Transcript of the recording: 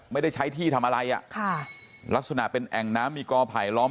ไม่ได้ใช้ที่ทำอะไรอ่ะค่ะลักษณะเป็นแอ่งน้ำมีกอไผลล้อม